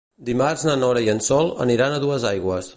Dimarts na Nora i en Sol aniran a Duesaigües.